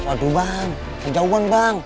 aduh bang jauh banget bang